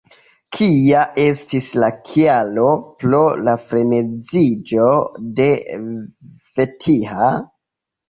Kia estis la kialo pro la freneziĝo de Vetiha?